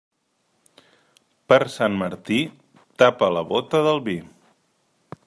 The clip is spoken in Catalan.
Per Sant Martí, tapa la bóta del vi.